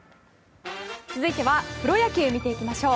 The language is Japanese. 続いてはプロ野球見ていきましょう。